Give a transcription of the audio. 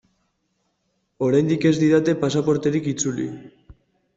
Oraindik ez didate pasaporterik itzuli.